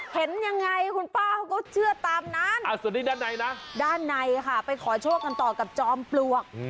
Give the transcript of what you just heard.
เห็นยังไงคุณป้าเขาก็เชื่อตามนั้นส่วนนี้ด้านในนะด้านในค่ะไปขอโชคกันต่อกับจอมปลวก